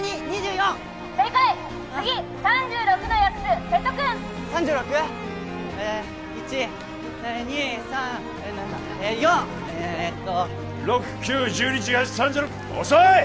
４えーと６９１２１８３６遅い！